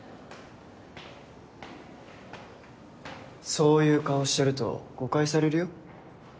そういう顔してると誤解されるよ。